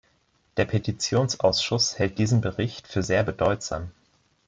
Der Petitionsausschuss hält diesen Bericht für sehr bedeutsam.